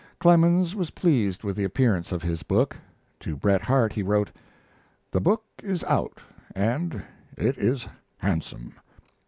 Clemens was pleased with the appearance of his book. To Bret Harte he wrote: The book is out and it is handsome.